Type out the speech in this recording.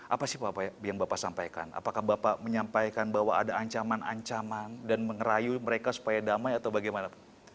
apa sih yang bapak sampaikan apakah bapak menyampaikan bahwa ada ancaman ancaman dan mengerayu mereka supaya damai atau bagaimana